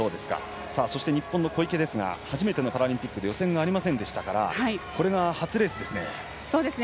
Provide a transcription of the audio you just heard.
そして、日本の小池初めてのパラリンピックで予選がありませんでしたからこれが初レースですね。